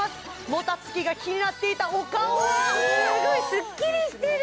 もたつきが気になっていたお顔はすごいスッキリしてる！